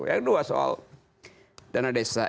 yang kedua soal dana desa